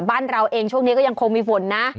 บ้านเราเองช่วงนี้ก็ยังคงมีฝนนะ